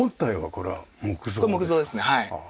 これ木造ですねはい。